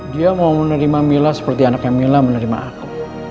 dia mau menerima mila seperti anaknya mila menerima aku